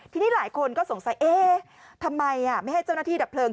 ทีนี้หลายคนก็สงสัยเอ๊ะทำไมไม่ให้เจ้าหน้าที่ดับเพลิง